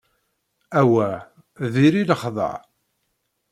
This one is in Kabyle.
Awah, diri lexdeɛ.